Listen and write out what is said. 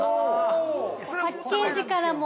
パッケージからもう。